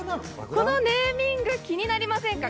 このネーミング気になりませんか？